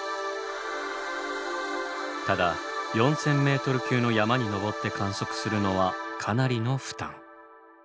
ただ４，０００ｍ級の山に登って観測するのはかなりの負担。